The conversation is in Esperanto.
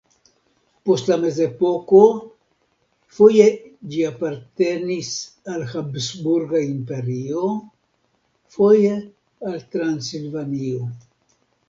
Post la mezepoko foje ĝi apartenis al Habsburga Imperio, foje al Transilvanio.